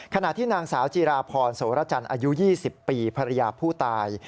ขณะที่นางสาวจีราพรโสรจันทร์อายุ๒๐ปีภรรยาผู้ตาย